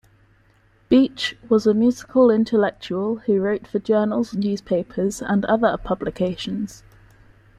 Beach was a musical intellectual who wrote for journals, newspapers, and other publications.